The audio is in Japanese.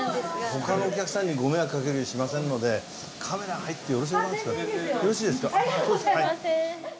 他のお客さんにご迷惑かけたりしませんのでカメラ入ってよろしゅうございますか？